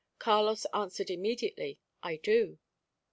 Carlos answered immediately, "I do."